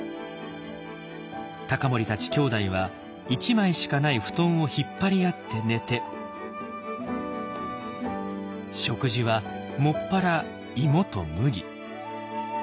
隆盛たちきょうだいは１枚しかない布団を引っ張り合って寝て食事は専らイモと麦。